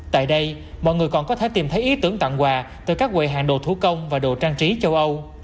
tại đây mọi người còn có thể tìm thấy ý tưởng tặng quà từ các quầy hàng đồ thủ công và đồ trang trí châu âu